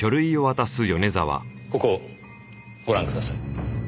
ここをご覧ください。